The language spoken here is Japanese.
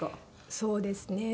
そうですね。